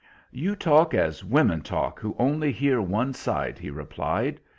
"You talk as women talk who only hear one side," he replied.